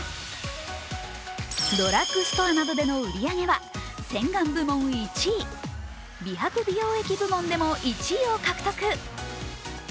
ドラッグストアなどでの売り上げは洗顔部門１位、美白美容液部門でも１位を獲得。